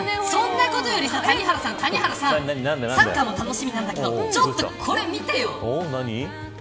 そんなことより、谷原さんサッカーも楽しみなんだけどちょっとこれ見てよ。